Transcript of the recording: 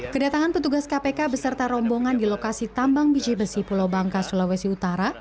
kedatangan petugas kpk beserta rombongan di lokasi tambang biji besi pulau bangka sulawesi utara